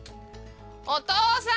お父さん！